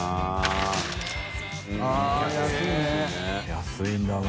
安いんだな。